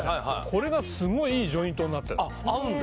これがすごいいいジョイントになってる合うんだ